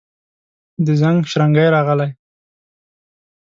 د زنګ شرنګی راغلي